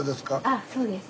ああそうです。